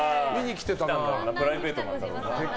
プライベートなんだろうな。